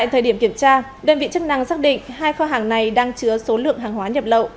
tại thời điểm kiểm tra đơn vị chức năng xác định hai kho hàng này đang chứa số lượng hàng hóa nhập lậu